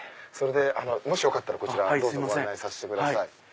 もしよかったらこちらどうぞご案内させてください。